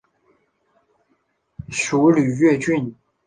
属绥越郡。